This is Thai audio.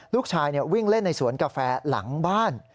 ลูกชายวิ่งเล่นในสวนกาแฟหลังบ้าน